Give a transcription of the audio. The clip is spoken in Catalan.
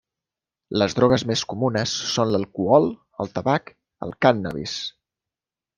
Les drogues més comunes són l'alcohol, el tabac, el cànnabis.